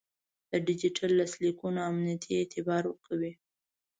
د ډیجیټل لاسلیکونه امنیتي اعتبار ورکوي.